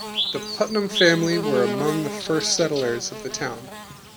The Putnam family were among the first settlers of the town.